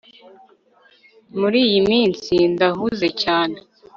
Muri iyi minsi ndahuze cyane